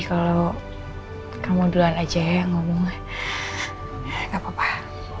kalau saya udah